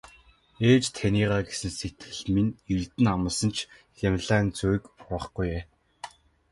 Ээж таныгаа гэсэн сэтгэл минь эрдэнэ амласан ч Гималайн зүг урвахгүй ээ.